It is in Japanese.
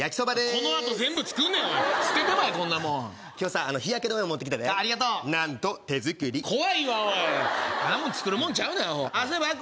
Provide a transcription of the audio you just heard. このあと全部作んねん捨ててまえこんなもん今日さ日焼け止め持ってきたでありがとうなんと手作り怖いわおいあんなもん作るもんちゃうねんあっ